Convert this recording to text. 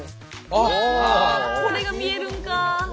うわこれが見えるんか！